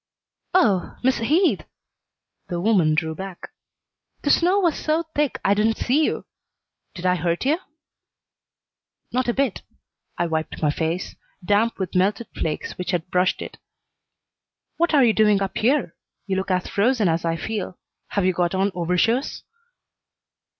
"Oh, Miss Heath!" The woman drew back. "The snow was so thick I didn't see you. Did I hurt you?" "Not a bit." I wiped my face, damp with melted flakes which had brushed it. "What are you doing up here? You look as frozen as I feel. Have you got on overshoes?"